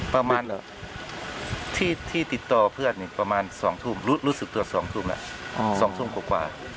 ประมาณที่ติดต่อเพื่อนประมาณสองทุ่มรู้สึกตัวสองทุ่มละสองทุ่มกว่า